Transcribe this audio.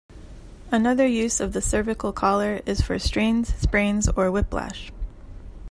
Another use of the cervical collar is for strains, sprains or whiplash.